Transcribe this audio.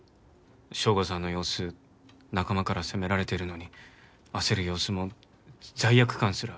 省吾さんの様子仲間から責められてるのに焦る様子も罪悪感すら感じなかったんです。